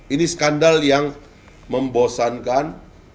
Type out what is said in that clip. ini skandal yang membosankan